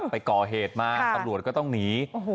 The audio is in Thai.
ไปก่อเหตุมาตำรวจก็ต้องหนี